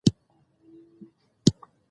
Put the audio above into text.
دا هميشه خندانه وي